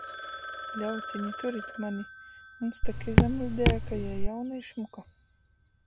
Ļauteni, turit mani! Muns tok izamuļdieja, ka jei jauna i šmuka.